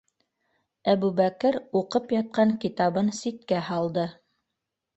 Әбүбәкер уҡып ятҡан китабын ситкә һалды: